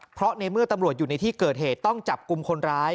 เพราะในเมื่อตำรวจอยู่ในที่เกิดเหตุต้องจับกลุ่มคนร้าย